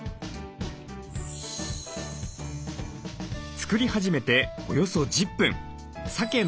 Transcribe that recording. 作り始めておよそ１０分。